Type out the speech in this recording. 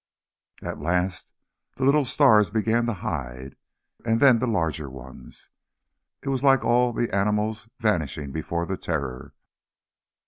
At last the little stars began to hide, and then the larger ones. It was like all the animals vanishing before the Terror.